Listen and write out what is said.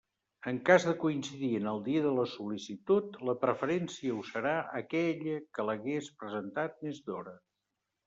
En cas de coincidir en el dia de la sol·licitud, la preferència ho serà aquella que l'hagués presentat més d'hora.